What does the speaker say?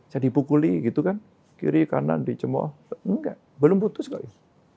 saya dipukuli gitu kan kiri kanan dicemoh enggak belum putus kali